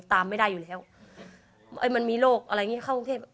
ตามไม่ได้อยู่แล้วไอ้มันมีโรคอะไรอย่างงี้เข้ากรุงเทพ